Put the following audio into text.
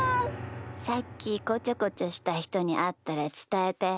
さっきこちょこちょしたひとにあったらつたえて。